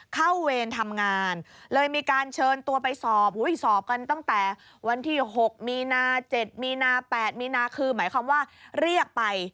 เวรทำงานเลยมีการเชิญตัวไปสอบสอบกันตั้งแต่วันที่๖มีนา๗มีนา๘มีนาคือหมายความว่าเรียกไป